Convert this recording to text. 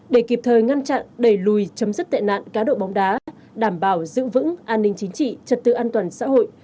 để kịp thời ngăn chặn đẩy lùi chấm dứt tệ nạn cá độ bóng đá đảm bảo giữ vững an ninh chính trị trật tự an toàn xã hội